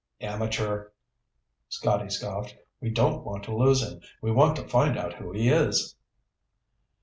"Amateur," Scotty scoffed. "We don't want to lose him. We want to find out who he is."